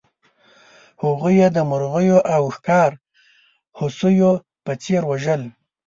هغوی یې د مرغیو او ښکار هوسیو په څېر وژل.